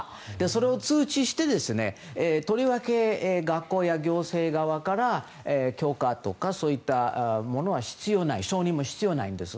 それを通知してとりわけ学校や行政側から許可とかそういったものは必要ない承認も必要ないんです。